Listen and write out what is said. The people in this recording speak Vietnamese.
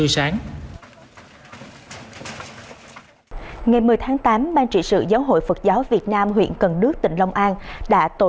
sáng ngày một mươi tháng tám ban trị sự giáo hội phật giáo việt nam huyện cần đước tỉnh long an đã tổ